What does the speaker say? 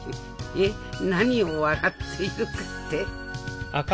えっ何を笑っているかって？